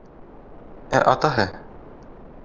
Ә атаһы: